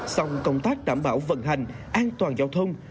song công tác đảm bảo vận hành an toàn giao thông